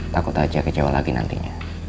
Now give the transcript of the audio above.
takut aja kecewa lagi nantinya